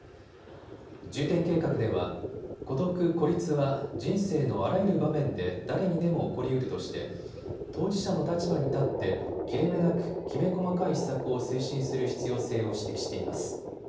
重点計画では孤独・孤立は人生のあらゆる場面で誰にでも起こりうるとして当事者の立場に立って切れ目なくきめ細かい施策を推進する必要性を指摘しています。